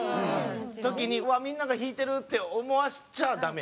時にうわっみんなが引いてるって思わせちゃダメやろ？